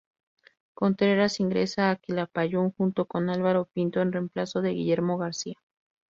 Contreras ingresa a Quilapayún, junto con Álvaro Pinto, en reemplazo de Guillermo García.